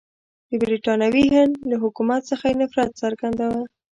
د برټانوي هند له حکومت څخه یې نفرت څرګندوه.